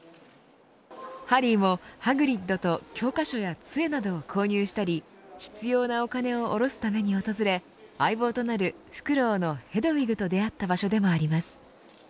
ハリーもハグリッドと教科書やつえなどを購入したり必要なお金を下ろすために訪れ相棒となるフクロウのヘドウィグと出会った場所でもあります。